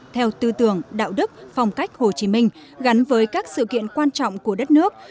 theo tư tưởng đạo đức phong cách hồ chí minh gắn với các sự kiện quan trọng của đất nước